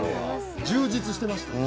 充実してましたよね。